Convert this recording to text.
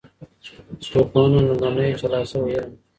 ستورپوهنه لومړنی جلا سوی علم و.